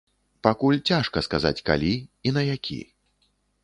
Пакуль цяжка сказаць, калі і на які.